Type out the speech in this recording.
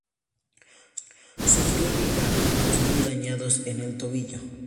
Sufrió ligamentos muy dañados en el tobillo.